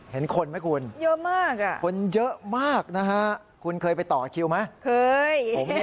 เห็นคนไหมคุณคนเยอะมากอะคุณเคยไปต่อคิวไหม